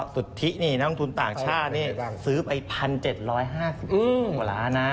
สุธิน้องทุนต่างชาตินี่ซื้อไป๑๗๕๐บาทนะ